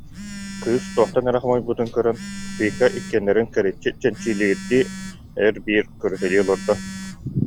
Кыыс туохтан эрэ хомойбутун көрөн, Вика иккиэннэрин кэриччи, чинчилиирдии эр-биир көрүтэлии олордо